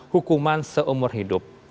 hukuman seumur hidup